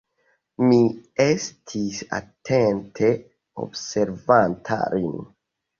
Mi estis atente observanta lin.